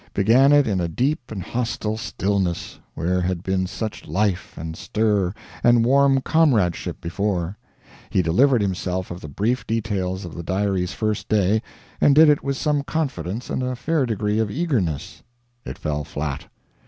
Began it in a deep and hostile stillness, where had been such life and stir and warm comradeship before. He delivered himself of the brief details of the diary's first day, and did it with some confidence and a fair degree of eagerness. It fell flat.